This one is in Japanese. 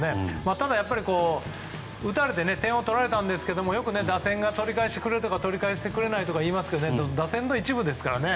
ただ、打たれて点を取られたんですけどよく打線が取り返してくれるとか取り返してくれないとか言いますけど打線の一部ですからね。